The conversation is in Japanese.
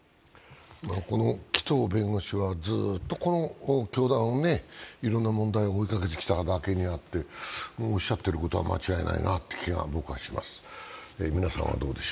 この紀藤弁護士はずっとこの教団のいろんな問題を追いかけてきただけあっておっしゃっていることは間違いないなという気が僕はします。